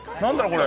これ。